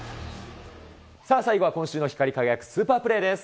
さあ、最後は今週の光り輝くスーパープレーです。